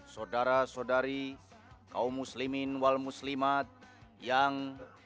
saudara saudari kaum muslimin walmuslimat yang